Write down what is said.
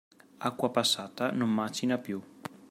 Acqua passata non macina più.